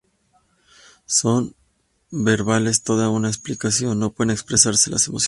Son verbales, todo es una explicación, no pueden expresarse las emociones.